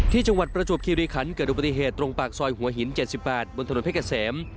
ที่จังหวัดประจวบคิวรีขันต์เกิดดูปฏิเหตุตรงปากซอยหัวหิน๗๘บนถนนเพกัดแสม